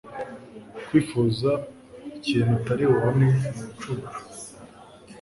Kwifuza ikintu utari bubone ni ubucucu